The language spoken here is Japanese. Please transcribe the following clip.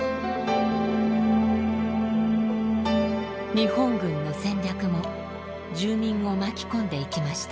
日本軍の戦略も住民を巻き込んでいきました。